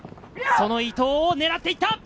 その伊東を狙っていった。